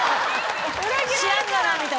知らんがな！みたいな。